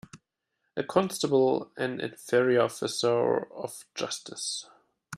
A constable an inferior officer of justice.